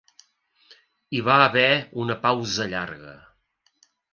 Hi va haver una pausa llarga.